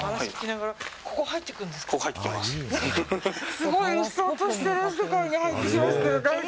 すごいうっそうとしてる世界に入ってきましたよ。